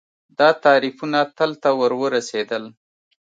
دا تعریفونه تل ته ورورسېدل